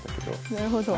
なるほど。